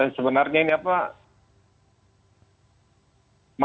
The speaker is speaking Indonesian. sebenarnya ini apa